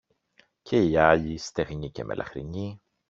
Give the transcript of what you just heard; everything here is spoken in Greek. και η άλλη, στεγνή και μελαχρινή